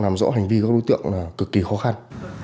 làm rõ hành vi của các đối tượng là cực kỳ khó khăn